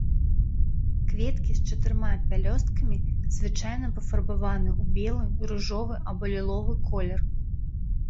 Кветкі з чатырма пялёсткамі, звычайна пафарбаваны ў белы, ружовы або ліловы колер.